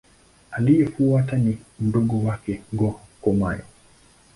Aliyemfuata ni mdogo wake Go-Komyo.